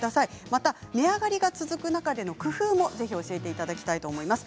また、値上がりが続く中での工夫もぜひ教えていただきたいと思います。